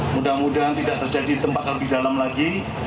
mudah mudahan tidak terjadi tempat lebih dalam lagi